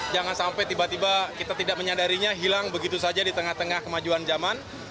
jangan sampai tiba tiba kita tidak menyadarinya hilang begitu saja di tengah tengah kemajuan zaman